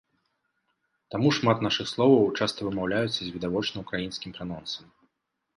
Таму шмат нашых словаў часта вымаўляюцца з відавочна ўкраінскім пранонсам.